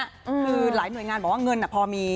คือหลายหน่วยงานบอกว่าเงินพอมี